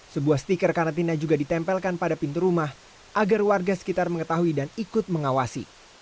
sebuah stiker karantina juga ditempelkan pada pintu rumah agar warga sekitar mengetahui dan ikut mengawasi